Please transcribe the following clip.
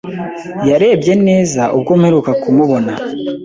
Yarebye neza ubwo mperuka kumubona.